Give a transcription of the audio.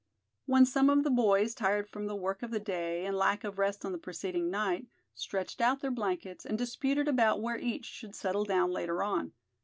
When some of the boys, tired from the work of the day, and lack of rest on the preceding night, stretched out their blankets, and disputed about where each should settle down later on.